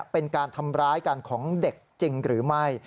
เป็นการทำร้ายกันของเด็กจริงหรือไม่